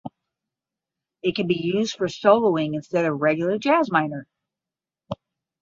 It can be used for soloing instead of regular jazz minor.